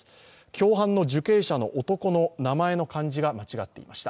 共犯の受刑者の男の名前の漢字が間違っていました。